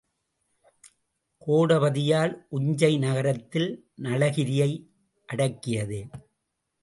கோடபதியால் உஞ்சை நகரத்தில் நளகிரியை அடக்கியது.